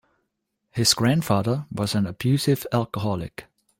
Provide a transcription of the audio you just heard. His grandfather was an abusive alcoholic.